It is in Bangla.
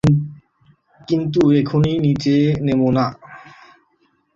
কিন্তু এখনই নিচে নেমো না।